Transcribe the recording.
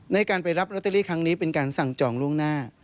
ในการไปรับลอตเตอรี่ครั้งนี้เป็นการสั่งจองล่วงหน้า